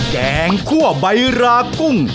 แกงคั่วใบรากุ้ง